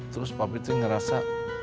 terus papi tuh ngerasa